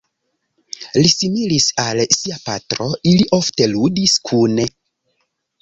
Li similis al sia patro, ili ofte ludis kune.